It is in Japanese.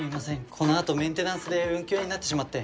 この後メンテナンスで運休になってしまって。